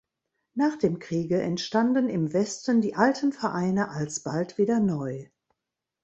Nach dem Kriege entstanden im Westen die alten Vereine alsbald wieder neu.